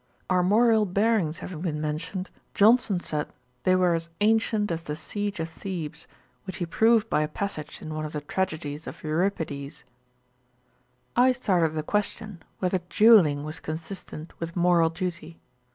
Armorial bearings having been mentioned, Johnson said they were as ancient as the siege of Thebes, which he proved by a passage in one of the tragedies of Euripides. I started the question whether duelling was consistent with moral duty.